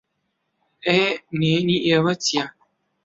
ئێ، نھێنیی ئێوە چییە؟